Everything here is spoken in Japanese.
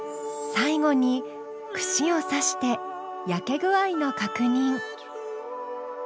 最後に串を刺して焼け具合の確認。